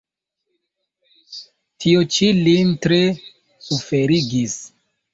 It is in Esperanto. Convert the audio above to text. Tio ĉi lin tre suferigis.